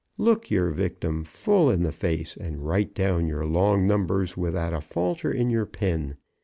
Look your victim full in the face, and write down your long numbers without a falter in your pen.